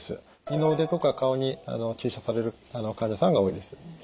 二の腕とか顔に注射される患者さんが多いです。